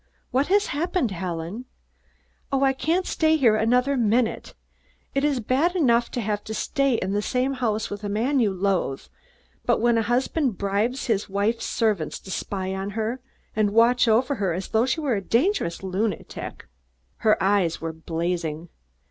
"What has happened, Helen?" "Oh, I can't stay here another minute. It is bad enough to have to stay in the same house with a man you loathe, but when a husband bribes his wife's servants to spy on her and watch over her as though she were a dangerous lunatic " Her eyes were blazing.